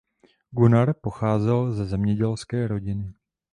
Gunnar pocházel ze zemědělské rodiny.